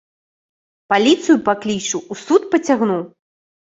Паліцыю паклічу, у суд пацягну.